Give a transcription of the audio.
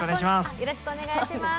よろしくお願いします。